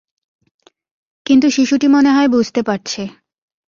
কিন্তু শিশুটি মনে হয় বুঝতে পারছে।